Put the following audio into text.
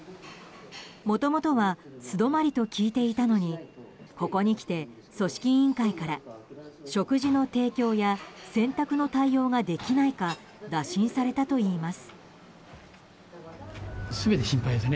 もともとは素泊まりと聞いていたのにここに来て、組織委員会から食事の提供や洗濯の対応ができないか打診されたといいます。